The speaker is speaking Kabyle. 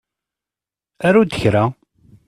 Aru-d kra!